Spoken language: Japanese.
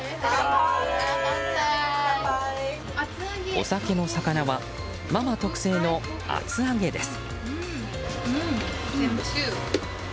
お酒の肴はママ特製の厚揚げです。